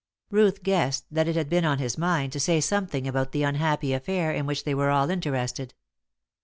Ruth guessed that it had been in his mind to say something about the unhappy affair in which they were all interested.